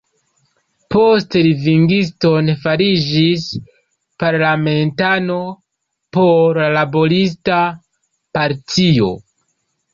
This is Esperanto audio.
Poste Livingstone fariĝis parlamentano por la Laborista Partio.